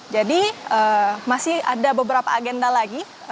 jadi masih ada beberapa agenda lagi